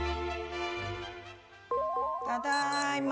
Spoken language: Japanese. ただいま。